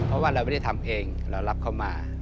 เพราะว่าเราไม่ได้ทำเองเรารับเขามา